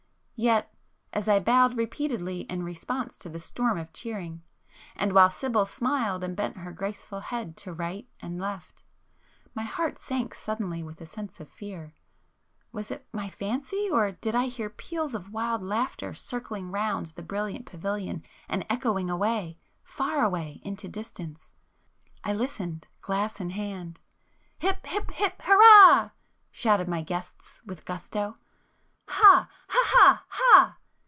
Yet,—as I bowed repeatedly in response to the storm of cheering, and while Sibyl smiled and bent her graceful head to right and left, my heart sank suddenly with a sense of fear. Was it my fancy—or did I hear peals of wild laughter circling round the brilliant pavilion and echoing away, far away into distance? I listened, glass in hand. "Hip, hip, hip hurrah!" shouted my guests with gusto. "Ha—ha—! ha—ha!"